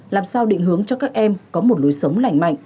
làm sao định hướng cho các em có một lối sống lành mạnh